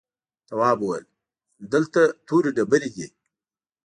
تواب وويل: دلته تورې ډبرې دي.